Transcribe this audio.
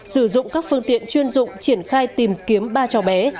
sử dụng các phương tiện chuyên dụng triển khai tìm kiếm ba cháu bé